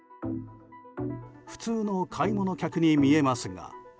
普通の買い物客に見えますが。